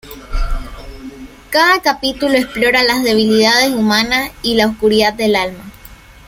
Cada capítulo explora las debilidades humanas y la oscuridad del alma.